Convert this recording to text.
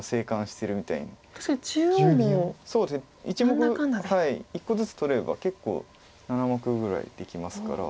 １目１個ずつ取れれば結構７目ぐらいできますから。